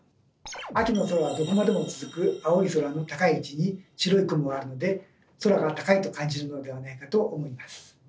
秋の空はどこまでも続く青い空の高い位置に白い雲があるので空が高いと感じるのではないかと思います。